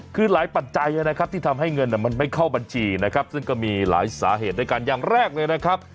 คือหลายปัจจัยนะครับที่ทำให้เงินมันไม่เข้าบัญชีนะครับซึ่งก็มีหลายสาเหตุด้วยกันอย่างแรกเลยนะครับ